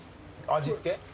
味付け？